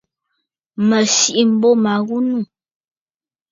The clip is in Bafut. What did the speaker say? Mə̀ sìʼî m̀bô ma ghu nû.